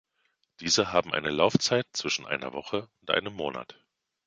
Diese haben eine Laufzeit zwischen einer Woche und einem Monat.